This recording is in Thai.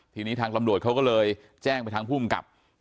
ทีนี้ทางตำรวจเขาก็เลยแจ้งไปทางภูมิกับ